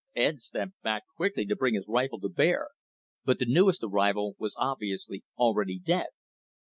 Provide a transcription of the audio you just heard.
Ed stepped back quickly to bring his rifle to bear, but the newest arrival was obviously already dead.